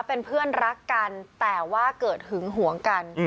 เป็นเพื่อนรักกันแต่ว่าเกิดหึงหวงกัน